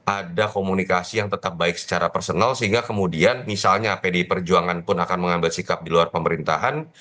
ada komunikasi yang tetap baik secara personal sehingga kemudian misalnya pdi perjuangan pun akan mengambil sikap di luar pemerintahan